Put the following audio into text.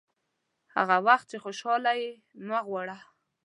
هغه وخت چې خوشاله یې مه غواړه.